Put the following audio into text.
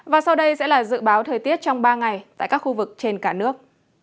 và sau đây sẽ là dự báo thời tiết trong ba ngày tại các khu vực trên cả nước